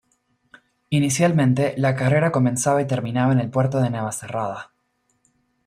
Inicialmente, la carrera comenzaba y terminaba en el Puerto de Navacerrada.